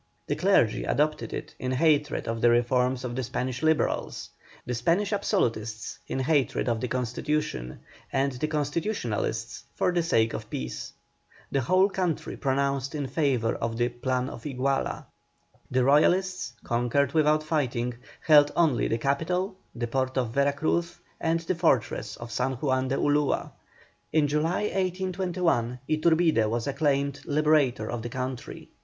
The clergy adopted it in hatred of the reforms of the Spanish Liberals; the Spanish Absolutists in hatred of the Constitution; and the Constitutionalists for the sake of peace. The whole country pronounced in favour of the "Plan of Iguala." The Royalists, conquered without fighting, held only the capital, the port of Vera Cruz, and the fortress of San Juan de Ulua. In July, 1821, Iturbide was acclaimed Liberator of the country.